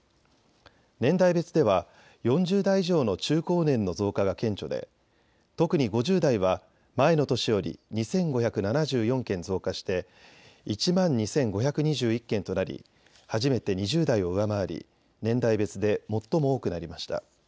年代別では４０代以上の中高年の増加が顕著で特に５０代は前の年より２５７４件増加して１万２５２１件となり初めて２０代を上回り、年代別で最も多くなりました。